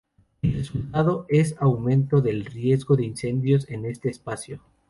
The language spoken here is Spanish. El resultado es un aumento del riesgo de incendios en este espacio.